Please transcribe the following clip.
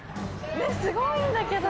すごいんだけど。